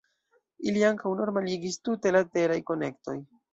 Ili ankaŭ normaligis tute la teraj konektoj.